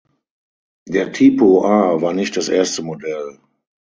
Der "Tipo A" war nicht das erste Modell.